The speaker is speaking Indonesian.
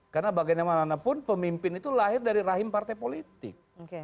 karena bagaimana pun pemimpin itu lahir dari rahim partai politik